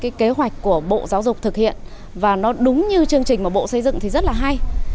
cái kế hoạch của bộ giáo dục thực hiện và nó đúng như chương trình mà bộ xây dựng thì rất là hay